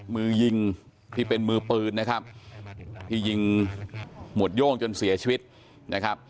มือยิงที่เป็นมือปืนนะครับที่ยิงหมวดโย่งจนเสียชีวิตนะครับ